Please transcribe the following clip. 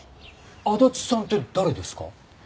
足立さんって誰ですか？